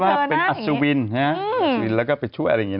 สมมุติว่าเป็นอสวินแล้วก็ไปช่วยอะไรอย่างนี้นะ